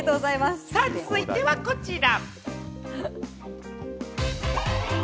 続いてはこちら。